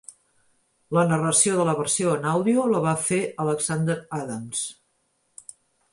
La narració de la versió en àudio la va fer Alexander Adams.